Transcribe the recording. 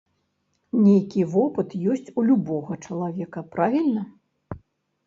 Нейкі вопыт ёсць у любога чалавека, правільна?